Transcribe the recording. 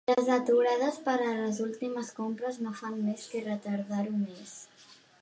Les aturades per a les últimes compres no fan més que retardar-ho més.